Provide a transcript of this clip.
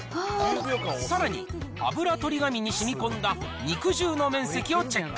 さらにあぶらとり紙にしみこんだ肉汁の面積をチェック。